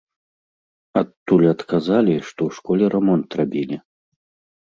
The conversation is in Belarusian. Адтуль адказалі, што ў школе рамонт рабілі.